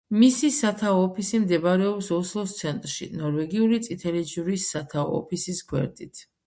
მისი სათაო ოფისი მდებარეობს ოსლოს ცენტრში, ნორვეგიული წითელი ჯვრის სათაო ოფისის გვერდით.